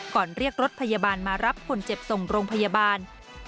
เรียกรถพยาบาลมารับคนเจ็บส่งโรงพยาบาล